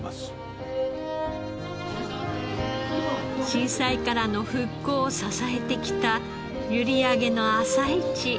震災からの復興を支えてきた閖上の朝市。